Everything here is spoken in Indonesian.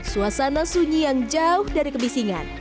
suasana sunyi yang jauh dari kebisingan